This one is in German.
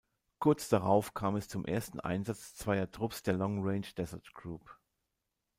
Kurz darauf kam es zum ersten Einsatz zweier Trupps der "Long Range Desert Group".